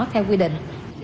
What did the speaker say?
theo quy định